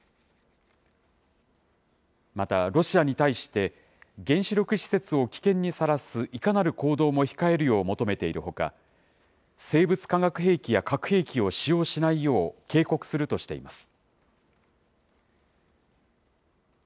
またロシアに対して、原子力施設を危険にさらすいかなる行動も控えるよう求めているほか、生物・化学兵器や核兵器を使用しないよう、警告するとしています。